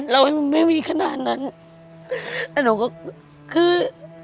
แล้วหนูก็คือ